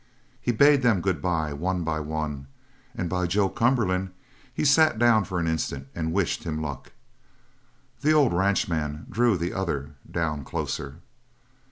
He bade them good bye one by one, and by Joe Cumberland he sat down for an instant and wished him luck. The old ranchman drew the other down closer.